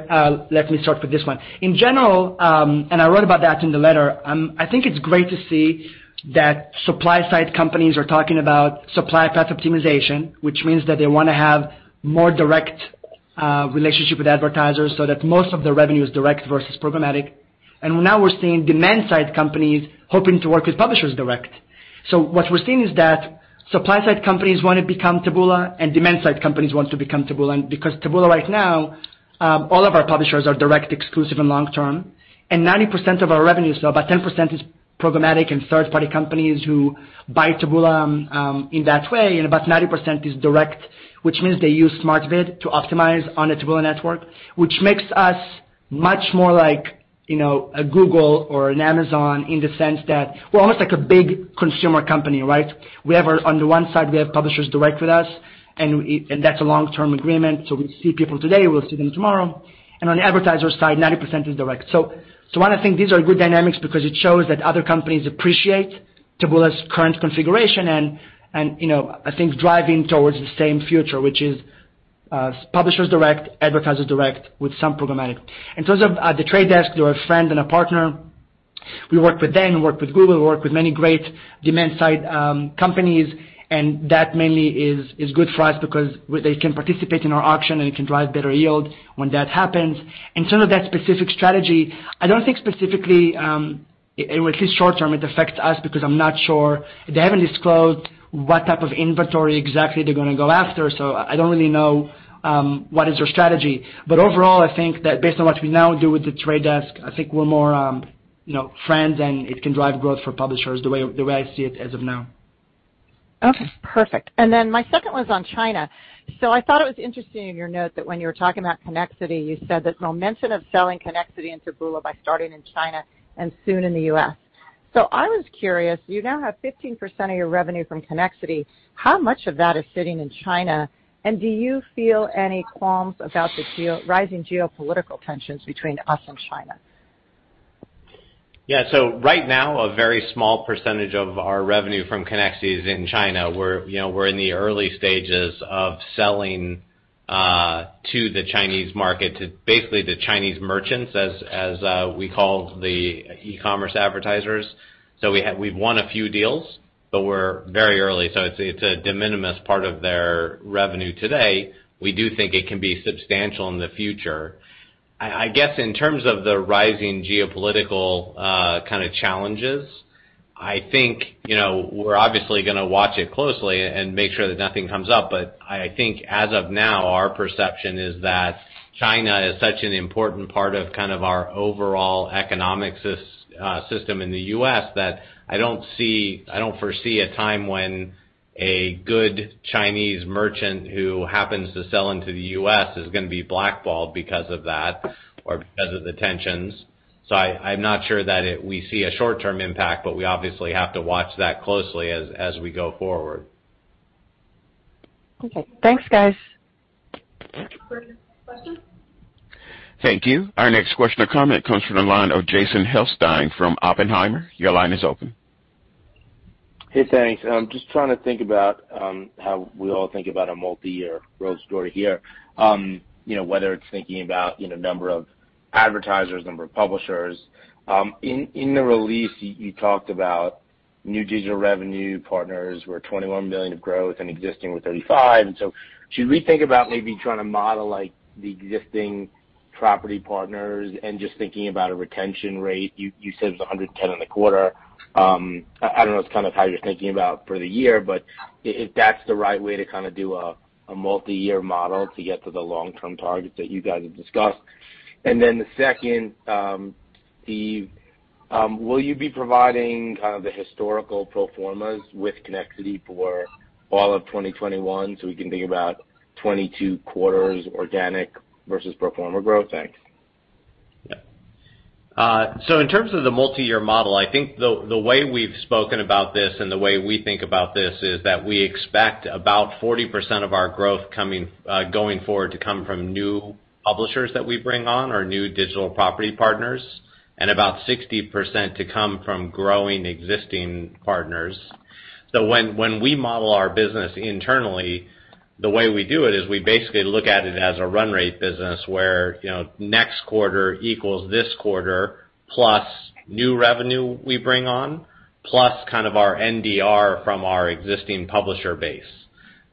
let me start with this one. In general, I wrote about that in the letter, I think it's great to see that supply-side companies are talking about Supply Path Optimization, which means that they wanna have more direct relationship with advertisers so that most of the revenue is direct versus programmatic. Now, we're seeing demand-side companies hoping to work with publishers direct. What we're seeing is that supply-side companies wanna become Taboola, and demand-side companies want to become Taboola. Because Taboola right now - all of our publishers are direct, exclusive, and long-term, and 90% of our revenues - so about 10% is programmatic and third-party companies who buy Taboola in that way, and about 90% is direct, which means they use Smart Bid to optimize on the Taboola network. Which makes us much more like, you know, a Google or an Amazon in the sense that we're almost like a big consumer company, right? On the one side, we have publishers direct with us, and that's a long-term agreement, so we see people today, we'll see them tomorrow. And on the advertiser side, 90% is direct. So, one, I think these are good dynamics because it shows that other companies appreciate Taboola's current configuration, and, you know, I think driving towards the same future, which is publishers direct, advertisers direct with some programmatic. In terms of the Trade Desk, they're a friend and a partner. We work with them, work with Google, work with many great demand-side companies, and that mainly is good for us because they can participate in our auction, and it can drive better yield when that happens. In terms of that specific strategy, I don't think specifically it, at least short term, it affects us because I'm not sure. They haven't disclosed what type of inventory exactly they're gonna go after, so I don't really know what is their strategy. Overall, I think that based on what we now do with the Trade Desk, I think we're more, you know, friends, and it can drive growth for publishers, the way I see it as of now.
Okay, perfect. My second one's on China. I thought it was interesting in your note that when you were talking about Connexity, you said that there's no mention of selling Connexity into Taboola by starting in China and soon in the U.S. I was curious, you now have 15% of your revenue from Connexity. How much of that is sitting in China, and do you feel any qualms about the rising geopolitical tensions between the U.S. and China?
Yeah. Right now, a very small percentage of our revenue from Connexity is in China. We're, you know, in the early stages of selling to the Chinese market, to basically the Chinese merchants, as we call the e-commerce advertisers. We've won a few deals, but we're very early, so it's a de minimis part of their revenue today. We do think it can be substantial in the future. I guess in terms of the rising geopolitical kind of challenges, I think, you know, we're obviously gonna watch it closely and make sure that nothing comes up. I think, as of now, our perception is that China is such an important part of kind of our overall economic system in the U.S. that I don't see, I don't foresee a time when a good Chinese merchant, who happens to sell into the U.S., is gonna be blackballed because of that or because of the tensions. I'm not sure that we see a short-term impact, but we obviously have to watch that closely as we go forward.
Okay. Thanks, guys.
Thank you.
Thank you. Our next question or comment comes from the line of Jason Helfstein from Oppenheimer. Your line is open.
Hey, thanks. I'm just trying to think about how we all think about a multi-year growth story here. You know, whether it's thinking about, you know, number of advertisers, number of publishers. In the release you talked about new digital revenue partners were $21 million of growth and existing were $35 million. Should we think about, maybe, trying to model like the existing property partners and just thinking about a retention rate? You said it was 110 in the quarter. I don't know it's kind of how you're thinking about for the year, but if that's the right way to kind of do a multi-year model to get to the long-term targets that you guys have discussed. The second, Steve, will you be providing kind of the historical pro formas with Connexity for all of 2021, so we can think about 2022 quarters organic versus pro forma growth? Thanks.
Yeah. In terms of the multi-year model, I think the way we've spoken about this and the way we think about this is that we expect about 40% of our growth going forward to come from new publishers that we bring on, or new digital property partners, and about 60% to come from growing existing partners. When we model our business internally, the way we do it is we basically look at it as a run rate business where, you know, next quarter equals this quarter, plus new revenue we bring on, plus kind of our NDR from our existing publisher base.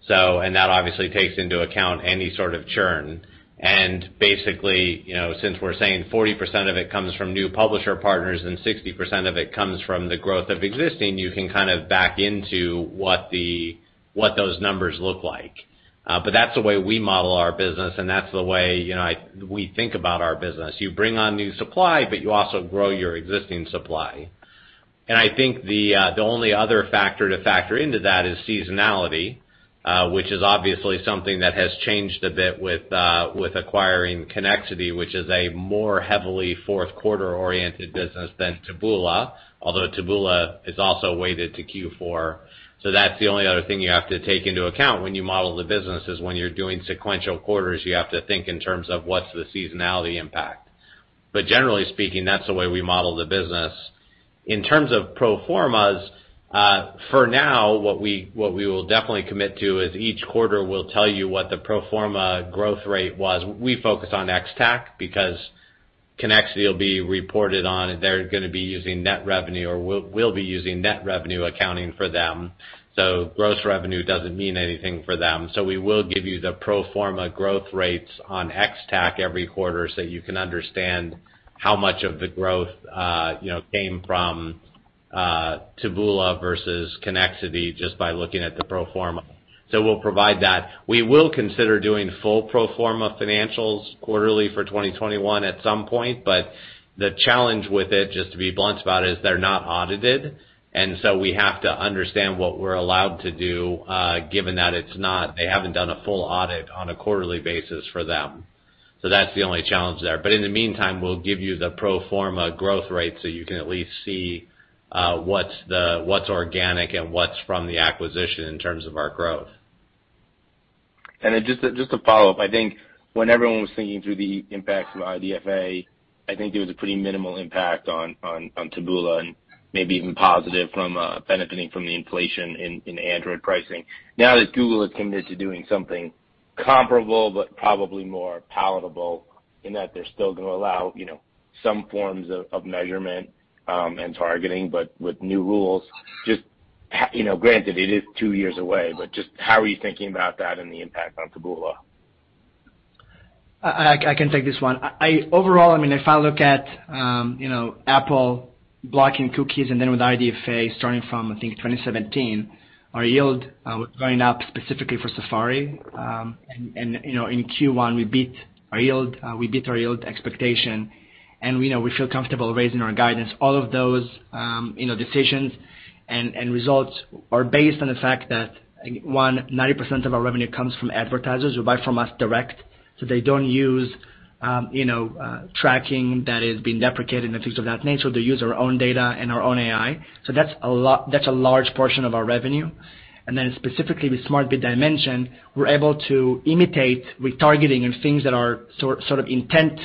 That obviously takes into account any sort of churn. Basically, you know, since we're saying 40% of it comes from new publisher partners and 60% of it comes from the growth of existing, you can kind of back into what those numbers look like. But that's the way we model our business, and that's the way, you know, we think about our business. You bring on new supply, but you also grow your existing supply. I think the only other factor to factor into that is seasonality, which is obviously something that has changed a bit with acquiring Connexity, which is a more heavily fourth quarter-oriented business than Taboola, although Taboola is also weighted to Q4. That's the only other thing you have to take into account when you model the business, is when you're doing sequential quarters, you have to think in terms of what's the seasonality impact. Generally speaking, that's the way we model the business. In terms of pro formas, for now, what we will definitely commit to is, each quarter we'll tell you what the pro forma growth rate was. We focus on ex-TAC because Connexity will be reported on and they're gonna be using net revenue or we'll be using net revenue accounting for them. Gross revenue doesn't mean anything for them. We will give you the pro forma growth rates on ex-TAC every quarter, so you can understand how much of the growth, you know, came from Taboola versus Connexity just by looking at the pro forma. We'll provide that. We will consider doing full pro forma financials quarterly for 2021 at some point. The challenge with it, just to be blunt about it, is they're not audited, and so we have to understand what we're allowed to do, given that they haven't done a full audit on a quarterly basis for them. That's the only challenge there. In the meantime, we'll give you the pro forma growth rate, so you can at least see what's organic and what's from the acquisition in terms of our growth.
Just a follow-up. I think when everyone was thinking through the impacts of IDFA, I think there was a pretty minimal impact on Taboola, and maybe even positive from benefiting from the inflation in Android pricing. Now that Google is committed to doing something comparable but probably more palatable in that they're still gonna allow, you know, some forms of measurement and targeting, but with new rules, just, you know, granted, it is two years away, but just how are you thinking about that and the impact on Taboola?
I can take this one. Overall, I mean, if I look at, you know, Apple blocking cookies and then with IDFA starting from, I think, 2017, our yield was going up specifically for Safari. You know, in Q1, we beat our yield expectation and, you know, we feel comfortable raising our guidance. All of those, you know, decisions and results are based on the fact that 90% of our revenue comes from advertisers who buy from us direct, so they don't use, you know, tracking that is being deprecated and things of that nature. They use our own data and our own AI. That's a large portion of our revenue. Specifically with Smart Bid Dimensions, we're able to imitate retargeting and things that are sort of intent,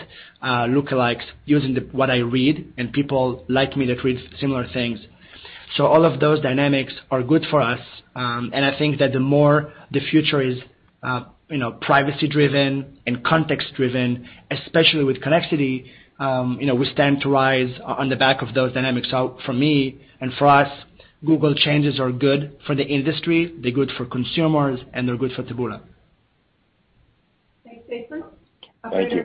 lookalikes using what I read, and people like me that read similar things. All of those dynamics are good for us. I think that the more the future is, you know, privacy-driven and context-driven, especially with Connexity, you know, we stand to rise on the back of those dynamics. For me and for us, Google changes are good for the industry, they're good for consumers, and they're good for Taboola.
Thanks, Jason. Operator.
Thank you.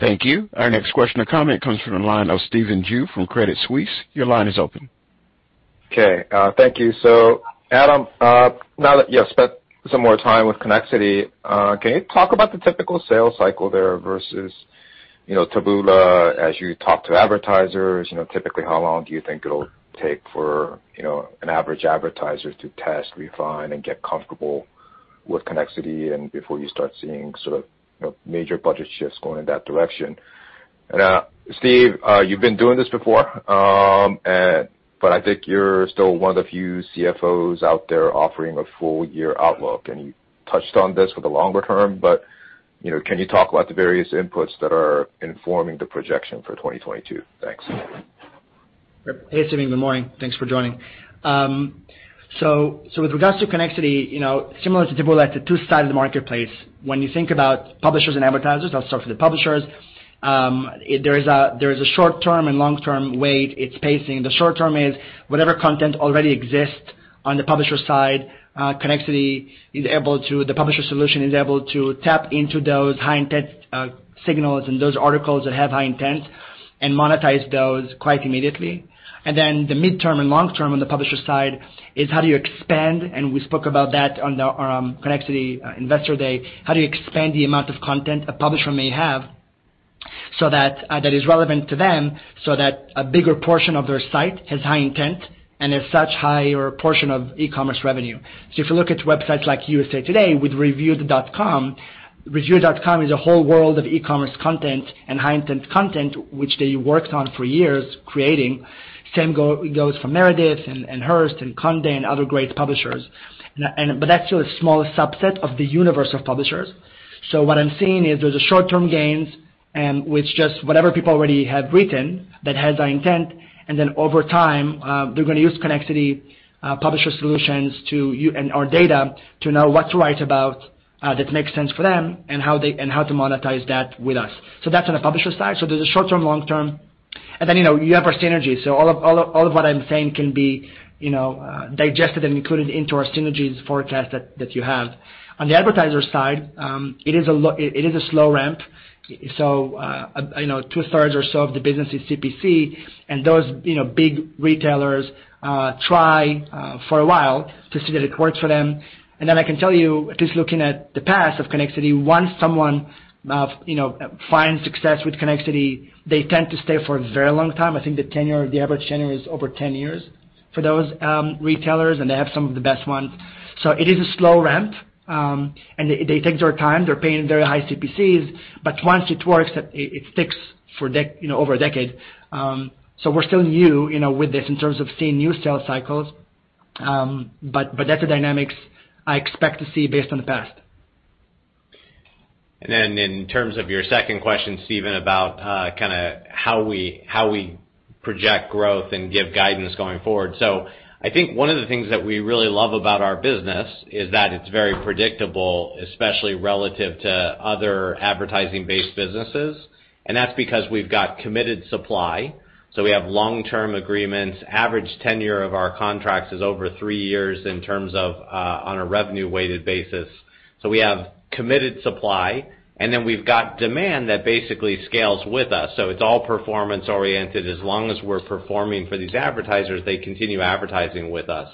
Thank you. Our next question or comment comes from the line of Stephen Ju from Credit Suisse. Your line is open.
Okay, thank you. So Adam, now that you have spent some more time with Connexity, can you talk about the typical sales cycle there versus, you know, Taboola as you talk to advertisers? You know, typically, how long do you think it'll take for, you know, an average advertiser to test, refine, and get comfortable with Connexity and before you start seeing sort of, you know, major budget shifts going in that direction? Steve, you've been doing this before, and, but I think you're still one of the few CFOs out there offering a full year outlook. You touched on this for the longer term, but, you know, can you talk about the various inputs that are informing the projection for 2022? Thanks.
Hey, Stephen. Good morning. Thanks for joining. So with regards to Connexity, you know, similar to Taboola, the two sides of the marketplace, when you think about publishers and advertisers. I'll start for the publishers, there is a short-term and long-term way it's pacing. The short term is whatever content already exists on the publisher side, the publisher solution is able to tap into those high intent signals and those articles that have high intent and monetize those quite immediately. The midterm and long term on the publisher side is how do you expand, and we spoke about that on the Connexity Investor Day, how do you expand the amount of content a publisher may have so that that is relevant to them, so that a bigger portion of their site has high intent and has such higher portion of e-commerce revenue. If you look at websites like USA Today with reviewed.com, reviewed.com is a whole world of e-commerce content and high intent content, which they worked on for years creating. Same goes for Meredith and Hearst and Condé and other great publishers. That's still a small subset of the universe of publishers. What I'm seeing is there's short-term gains and with just whatever people already have written that has high intent, and then over time, they're gonna use Connexity publisher solutions and our data to know what to write about that makes sense for them and how to monetize that with us. That's on the publisher side. There's a short-term, long-term. You know, you have our synergies. All of what I'm saying can be, you know, digested and included into our synergies forecast that you have. On the advertiser side, it is a slow ramp. You know, 2/3 or so of the business is CPC, and those big retailers try for a while to see that it works for them. I can tell you, at least looking at the past of Connexity, once someone, you know, finds success with Connexity, they tend to stay for a very long time. I think the tenure, the average tenure is over 10 years for those retailers, and they have some of the best ones. It is a slow ramp, and they take their time. They're paying very high CPCs. Once it works, it sticks for, you know, over a decade. We're still new, you know, with this in terms of seeing new sales cycles. That's the dynamics I expect to see based on the past.
Then in terms of your second question, Stephen, about kinda how we project growth and give guidance going forward. I think one of the things that we really love about our business is that it's very predictable, especially relative to other advertising-based businesses. That's because we've got committed supply. We have long-term agreements. Average tenure of our contracts is over three years in terms of on a revenue-weighted basis. We have committed supply, and then we've got demand that basically scales with us. It's all performance-oriented. As long as we're performing for these advertisers, they continue advertising with us.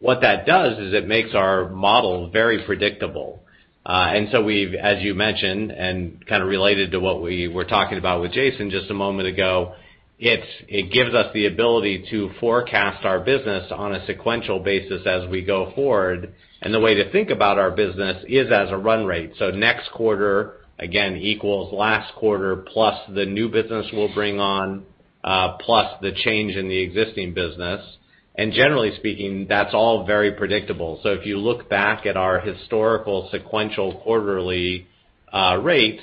What that does is it makes our model very predictable. We've, as you mentioned, and kinda related to what we were talking about with Jason just a moment ago, it gives us the ability to forecast our business on a sequential basis as we go forward. The way to think about our business is as a run rate. Next quarter, again, equals last quarter, plus the new business we'll bring on, plus the change in the existing business. Generally speaking, that's all very predictable. If you look back at our historical sequential quarterly rates,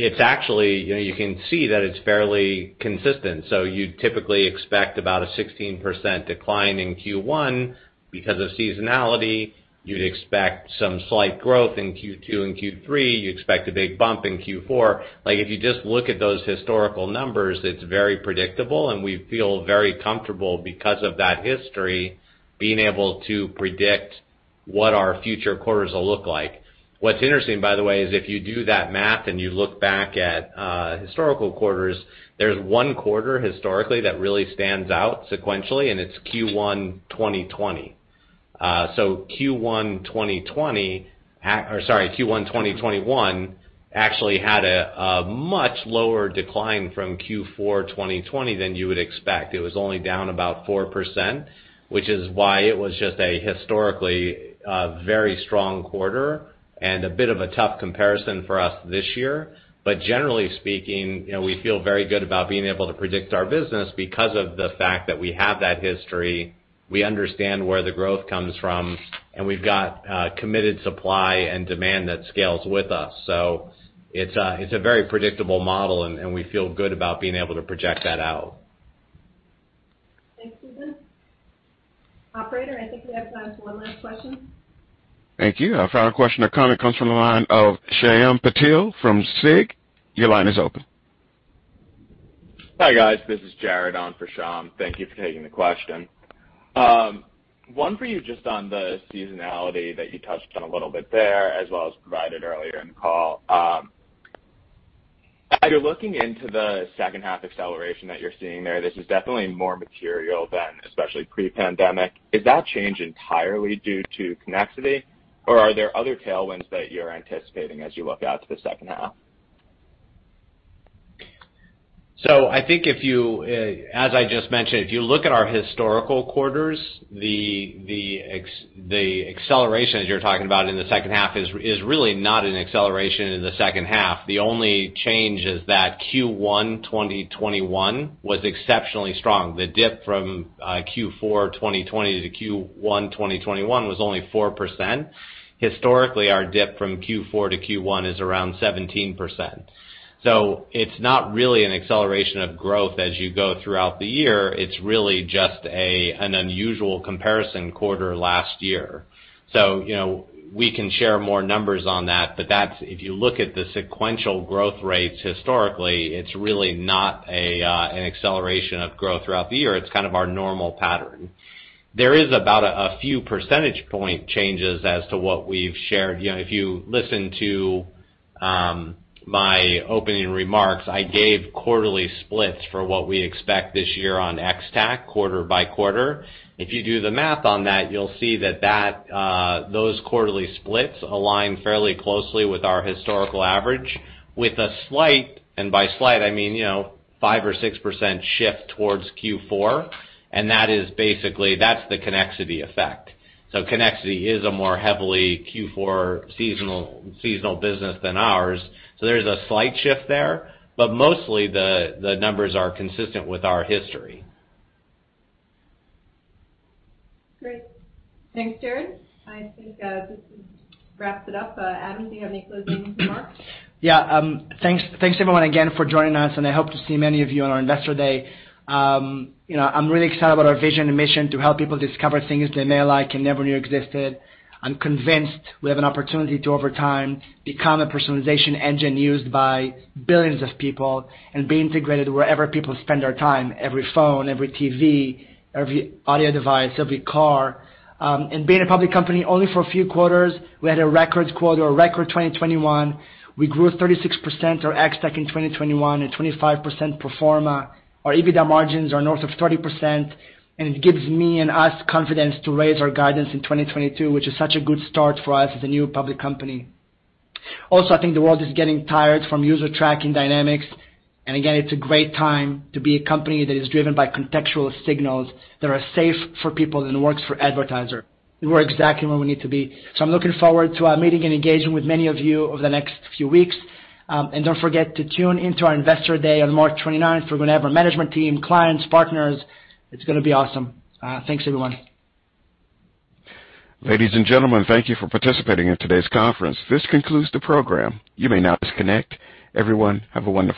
it's actually, you know, you can see that it's fairly consistent. You'd typically expect about a 16% decline in Q1 because of seasonality. You'd expect some slight growth in Q2 and Q3. You expect a big bump in Q4. Like, if you just look at those historical numbers, it's very predictable, and we feel very comfortable because of that history, being able to predict what our future quarters will look like. What's interesting, by the way, is if you do that math and you look back at historical quarters, there's one quarter historically that really stands out sequentially, and it's Q1 2020. So Q1 2020, or sorry, Q1 2021 actually had a much lower decline from Q4 2020 than you would expect. It was only down about 4%, which is why it was just a historically very strong quarter and a bit of a tough comparison for us this year. Generally speaking, you know, we feel very good about being able to predict our business because of the fact that we have that history. We understand where the growth comes from, and we've got committed supply and demand that scales with us. It's a very predictable model, and we feel good about being able to project that out.
Thanks, Stephen. Operator, I think we have time for one last question.
Thank you. Our final question or comment comes from the line of Shyam Patil from SIG. Your line is open.
Hi, guys. This is Jared on for Shyam. Thank you for taking the question. One for you just on the seasonality that you touched on a little bit there, as well as provided earlier in the call. As you're looking into the second half acceleration that you're seeing there, this is definitely more material than especially pre-pandemic. Is that change entirely due to Connexity, or are there other tailwinds that you're anticipating as you look out to the second half?
I think if you, as I just mentioned, if you look at our historical quarters, the acceleration, as you're talking about in the second half, is really not an acceleration in the second half. The only change is that Q1 2021 was exceptionally strong. The dip from Q4 2020 to Q1 2021 was only 4%. Historically, our dip from Q4 to Q1 is around 17%. It's not really an acceleration of growth as you go throughout the year. It's really just an unusual comparison quarter last year. You know, we can share more numbers on that, but that's if you look at the sequential growth rates historically, it's really not an acceleration of growth throughout the year. It's kind of our normal pattern. There is about a few percentage point changes as to what we've shared. You know, if you listen to my opening remarks, I gave quarterly splits for what we expect this year on ex-TAC quarter by quarter. If you do the math on that, you'll see that those quarterly splits align fairly closely with our historical average with a slight, and by slight, I mean, you know, 5% or 6% shift towards Q4, and that is basically, that's the Connexity effect. Connexity is a more heavily Q4 seasonal business than ours. There's a slight shift there, but mostly the numbers are consistent with our history.
Great. Thanks, Jared. I think this wraps it up. Adam, do you have any closing remarks?
Yeah. Thanks everyone again for joining us, and I hope to see many of you on our Investor Day. You know, I'm really excited about our vision and mission to help people discover things they may like and never knew existed. I'm convinced we have an opportunity to, over time, become a personalization engine used by billions of people and be integrated wherever people spend their time, every phone, every TV, every audio device, every car. Being a public company only for a few quarters, we had a record quarter, a record 2021. We grew 36% our ex-TAC in 2021 and 25% pro forma. Our EBITDA margins are north of 30%, and it gives me and us confidence to raise our guidance in 2022, which is such a good start for us as a new public company. I think the world is getting tired from user tracking dynamics. Again, it's a great time to be a company that is driven by contextual signals that are safe for people and works for advertisers. We're exactly where we need to be. I'm looking forward to meeting and engaging with many of you over the next few weeks. Don't forget to tune into our Investor Day on March 29. We're gonna have our management team, clients, partners. It's gonna be awesome. Thanks, everyone.
Ladies and gentlemen, thank you for participating in today's conference. This concludes the program. You may now disconnect. Everyone, have a wonderful day.